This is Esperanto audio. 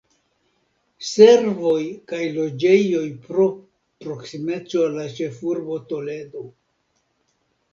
Servoj kaj loĝejoj pro proksimeco al la ĉefurbo Toledo.